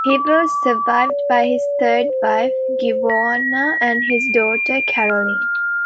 He was survived by his third wife Giovanna, and his daughter Caroline.